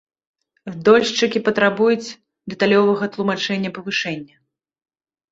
Дольшчыкі патрабуюць дэталёвага тлумачэння павышэння.